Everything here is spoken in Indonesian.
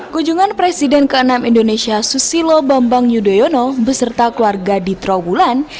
kunjungan presiden ke enam indonesia susilo bambang yudhoyono beserta keluarga di trawulan